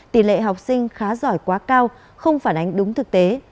tỷ lệ học sinh khá giỏi quá cao không phản ánh đúng thực tế